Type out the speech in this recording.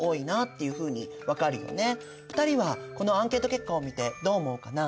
２人はこのアンケート結果を見てどう思うかな？